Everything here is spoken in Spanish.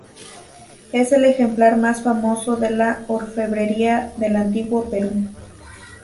Es el ejemplar más famoso de la orfebrería del Antiguo Perú.